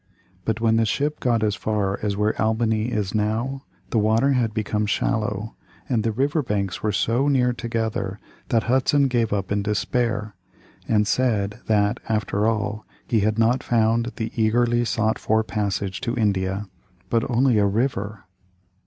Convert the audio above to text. But when the ship got as far as where Albany is now, the water had become shallow, and the river banks were so near together that Hudson gave up in despair, and said that, after all, he had not found the eagerly sought for passage to India, but only a river!